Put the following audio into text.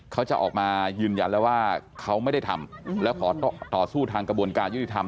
เขาจะออกมายืนยันแล้วว่าเขาไม่ได้ทำแล้วขอต่อสู้ทางกระบวนการยุติธรรม